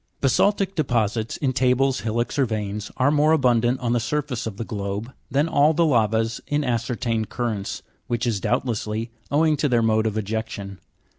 Basa'ltic deposits, in tables, hillocks, or veins, are more abundant on the surface of the globe than all the lavas in ascertained currents, which is, doubtlessly, owing to their mode of ejection.